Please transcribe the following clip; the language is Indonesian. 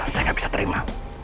saya gak bisa terima